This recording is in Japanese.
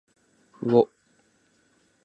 うお